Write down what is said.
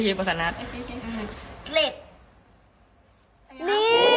กริโปต้องผ่านอยู่แปลง